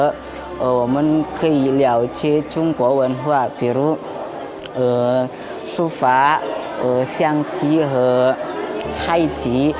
kita bisa mengenal cahaya bahasa cina seperti suhfa shangji dan haiji